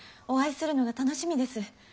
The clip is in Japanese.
お会いするのが楽しみです。